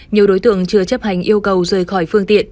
nhiều đối tượng chưa chấp hành yêu cầu rời khỏi phương tiện